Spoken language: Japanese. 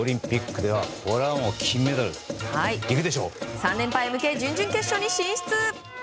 ３連覇へ向け準々決勝に進出！